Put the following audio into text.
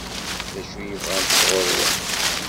D acu i bɣant sɣur-wen?